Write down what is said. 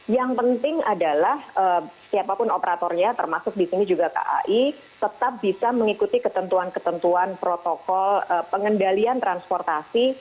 yang penting adalah siapapun operatornya termasuk di sini juga kai tetap bisa mengikuti ketentuan ketentuan protokol pengendalian transportasi